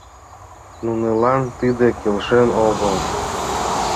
Нунылан тиде келшен огыл.